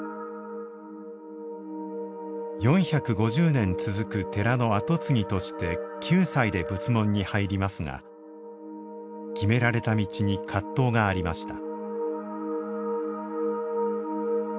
４５０年続く寺の跡継ぎとして９歳で仏門に入りますが決められた道に葛藤がありました。